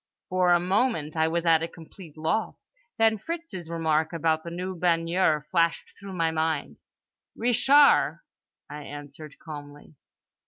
—For a moment I was at a complete loss—then Fritz's remark about the new baigneur flashed through my mind: "Ree shar" I answered calmly.